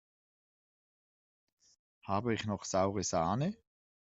Habe ich noch saure Sahne?